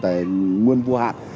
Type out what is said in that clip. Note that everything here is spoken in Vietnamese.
không phải là nguồn hạn